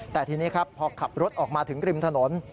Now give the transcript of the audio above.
แต่ทีนี้ครับพอขับรถออกมาถึงริมถนน